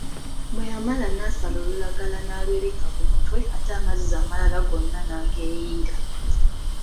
Bwe yamala n'asala olulagala n'alwebikka ku mutwe ate amazzi amalala gonna n'ageeyiira.